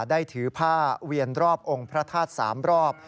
ได้ถือผ้าเวียนรอบองค์พระธาตุ๓รอบ